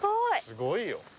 すごいよ。